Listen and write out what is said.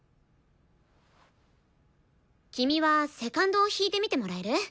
君はセカンドを弾いてみてもらえる？